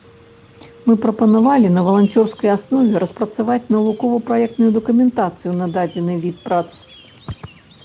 Мы прапанавалі на валанцёрскай аснове распрацаваць навукова-праектную дакументацыю на дадзены від прац.